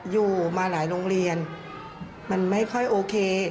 อยู่มาหลายโรงเรียนมันไม่ค่อยโอเค